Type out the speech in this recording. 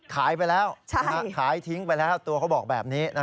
ขายไปแล้วขายทิ้งไปแล้วตัวเขาบอกแบบนี้